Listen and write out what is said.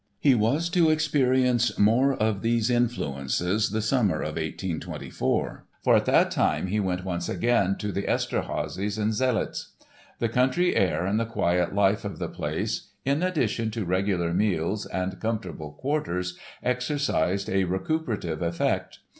He was to experience more of these influences the summer of 1824, for at that time he went once again to the Esterházys in Zseliz. The country air and the quiet life of the place in addition to regular meals and comfortable quarters exercised a recuperative effect.